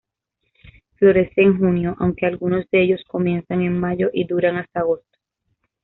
Florece en junio, aunque algunos de ellos comienzan en mayo y duran hasta agosto.